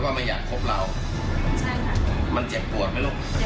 ใช่ค่ะมันเจ็บปวดไหมลูกเจ็บปวดค่ะ